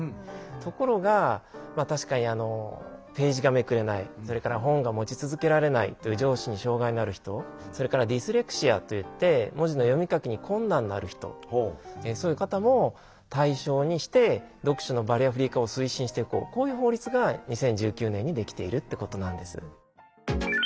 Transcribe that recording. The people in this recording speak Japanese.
ところが確かにページがめくれないそれから本が持ち続けられないという上肢に障害のある人それからディスレクシアといって文字の読み書きに困難のある人そういう方も対象にして読書のバリアフリー化を推進していこうこういう法律が２０１９年にできているってことなんです。